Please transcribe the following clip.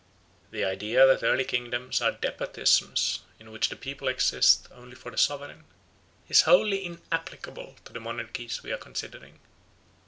The idea that early kingdoms are despotisms in which the people exist only for the sovereign, is wholly inapplicable to the monarchies we are considering.